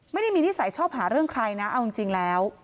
ไม่ได้มีนิสัยชอบหาเรื่องใครนะเอาจริงแล้ว